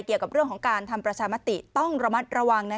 เกี่ยวกับเรื่องของการทำประชามติต้องระมัดระวัง